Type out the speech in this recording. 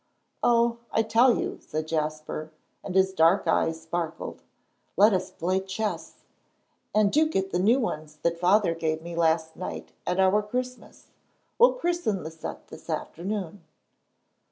"Oh, I tell you," said Jasper, and his dark eyes sparkled, "let us play chess. And do get the new ones that Father gave me last night at our Christmas. We'll christen the set this afternoon."